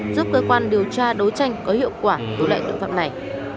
giúp cơ quan điều tra đấu tranh có hiệu quả đối lại tội phạm này